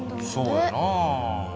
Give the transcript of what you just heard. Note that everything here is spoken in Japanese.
そうやなぁ。